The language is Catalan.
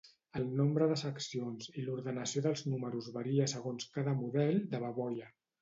El nombre de seccions, i l'ordenació dels números varia segons cada model de baboia.